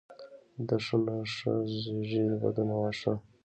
دښو نه ښه زیږیږي، د بدونه واښه.